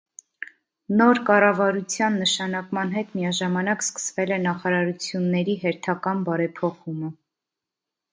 Նոր կառավարության նշանակման հետ միաժամանակ սկսվել է նախարարությունների հերթական բարեփոխումը։